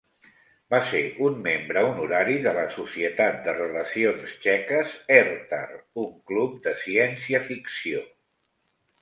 Va ser un membre honorari de la Societat de relacions txeques Ertar, un club de ciència ficció.